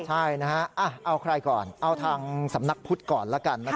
ใช่นะฮะเอาใครก่อนเอาทางสำนักพุทธก่อนแล้วกัน